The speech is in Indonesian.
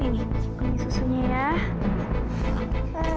nih ini susunya ya